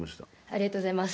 ありがとうございます。